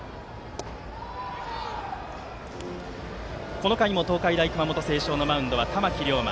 この回も東海大熊本星翔のマウンドは玉木稜真。